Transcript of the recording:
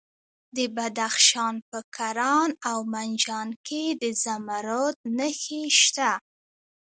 د بدخشان په کران او منجان کې د زمرد نښې شته.